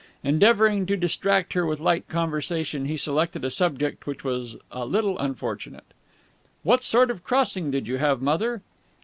Endeavouring to distract her with light conversation, he selected a subject which was a little unfortunate. "What sort of crossing did you have, mother?"